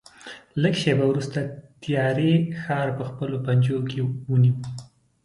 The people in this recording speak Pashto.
لږ شېبه وروسته تیارې ښار په خپلو پنجو کې ونیو.